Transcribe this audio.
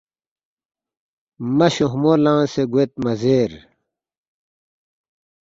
مَہ شوہمو لنگسے گوید مزیر